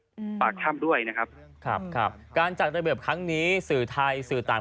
อืมปากถ้ำด้วยนะครับครับครับการจัดระเบียบครั้งนี้สื่อไทยสื่อต่าง